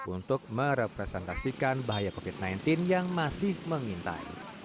untuk merepresentasikan bahaya covid sembilan belas yang masih mengintai